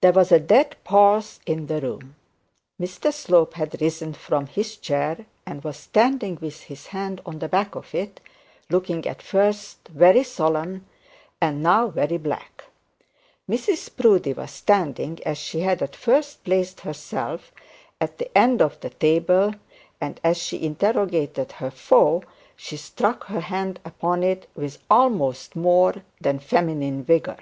There was a dead pause in the room. Mr Slope had risen from his chair, and was standing with his hand on the back of it, looking at first very solemn and now very black. Mrs Proudie was standing as she had at first placed herself, at the end of the table, and as she interrogated her foe she struck her hand upon it with almost more than feminine vigour.